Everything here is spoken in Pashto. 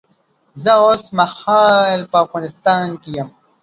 زه اوس مهال په افغانستان کې یم